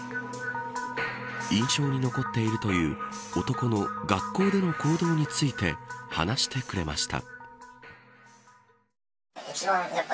印象に残っているという男の学校での行動について話してくれました。